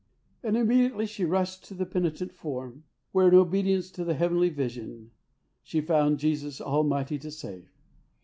and immediately she rushed to the penitent form, where, in obedience to the heavenly vision, she found Jesus almighty to save.